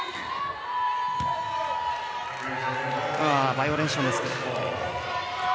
バイオレーションです。